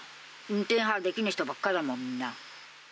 運転できない人ばっかだもん、みんな。